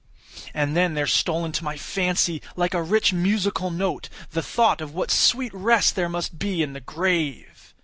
And then there stole into my fancy, like a rich musical note, the thought of what sweet rest there must be in the grave.